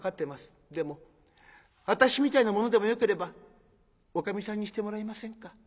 でも私みたいな者でもよければおかみさんにしてもらえませんか？